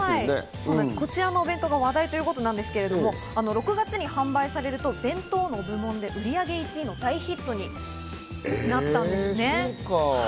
こちらのお弁当が話題ということなんですけど、６月に販売されるとお弁当部門で売り上げ１位の大ヒットになったんですね。